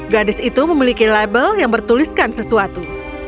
gadis itu memiliki label yang bertuliskan sesuatu